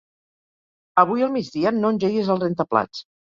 Avui al migdia no engeguis el rentaplats.